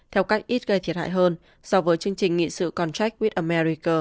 theo cách ít gây thiệt hại hơn so với chương trình nghị sự contract with america